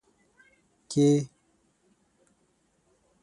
کې